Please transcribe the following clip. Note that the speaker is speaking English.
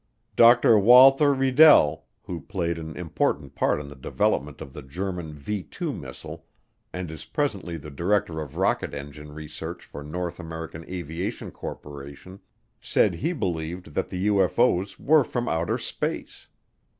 Dr. Walther Riedel, who played an important part in the development of the German V 2 missile and is presently the director of rocket engine research for North American Aviation Corporation, said he believed that the UFO's were from outer space.